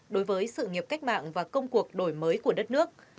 đối với sự nghiệp cách mạng và công cuộc đổi mới của đất nước